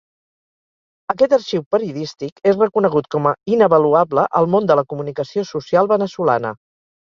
Aquest arxiu periodístic és reconegut com a inavaluable al món de la comunicació social veneçolana.